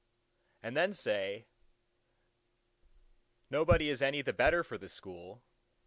And then they say, "Nobody is any the better for the School."